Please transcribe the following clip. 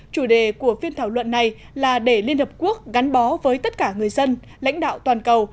chủ đề của phiên thảo luận này là để liên hợp quốc gắn bó với tất cả người dân lãnh đạo toàn cầu